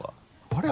あれ？